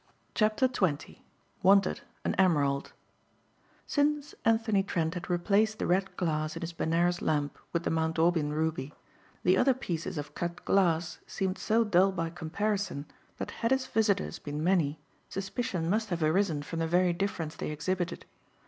CHAPTER XX "WANTED AN EMERALD" Since Anthony Trent had replaced the red glass in his Benares lamp with the Mount Aubyn ruby, the other pieces of cut glass seemed so dull by comparison that had his visitors been many, suspicion must have arisen from the very difference they exhibited.